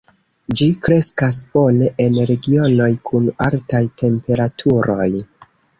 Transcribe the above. Ĝi kreskas bone en regionoj kun altaj temperaturoj.